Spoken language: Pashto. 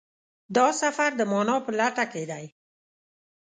دا سفر د مانا په لټه کې دی.